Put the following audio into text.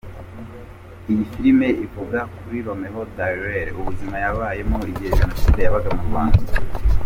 Iyi filime ivuga kuri Romeo Dallaire, ubuzima yabayemo igihe Jenoside yabaga mu Rwanda.